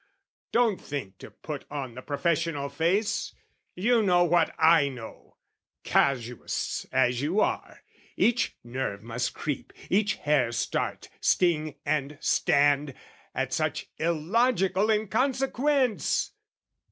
Don't think to put on the professional face! You know what I know, casuists as you are, Each nerve must creep, each hair start, sting, and stand, At such illogical inconsequence!